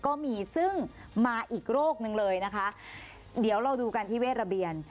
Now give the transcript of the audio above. ก็มีซึ่งมาอีกโรคนึงเลยนะคะเดี๋ยวเราดูกันที่เวทระเบียน